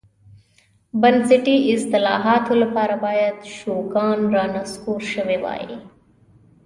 بنسټي اصلاحاتو لپاره باید شوګان رانسکور شوی وای.